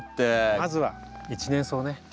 まずは一年草ね。